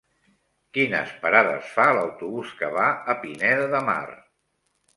Quines parades fa l'autobús que va a Pineda de Mar?